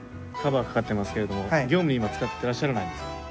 カバーかかってますけれども業務に今使ってらっしゃらないですか？